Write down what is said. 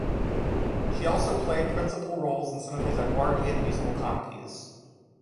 She also played principal roles in some of his Edwardian musical comedies.